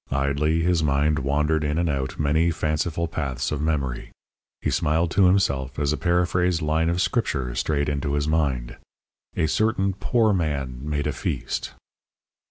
Idly his mind wandered in and out many fanciful paths of memory. He smiled to himself as a paraphrased line of Scripture strayed into his mind: "A certain poor man made a feast."